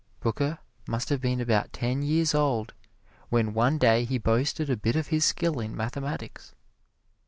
Booker must have been about ten years old when one day he boasted a bit of his skill in mathematics.